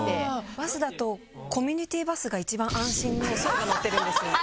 バスだとコミュニティバスが一番安心の層が乗ってるんですよ